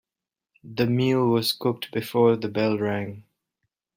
The meal was cooked before the bell rang.